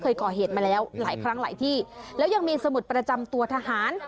เคยก่อเหตุมาแล้วหลายครั้งหลายที่แล้วยังมีสมุดประจำตัวทหาร